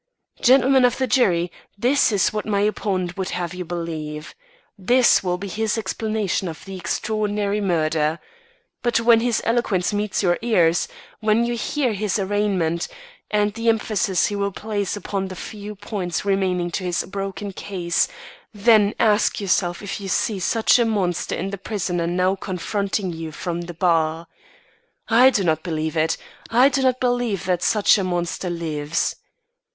"Gentlemen of the jury, this is what my opponent would have you believe. This will be his explanation of this extraordinary murder. But when his eloquence meets your ears when you hear this arraignment, and the emphasis he will place upon the few points remaining to his broken case, then ask yourself if you see such a monster in the prisoner now confronting you from the bar. I do not believe it. I do not believe that such a monster lives.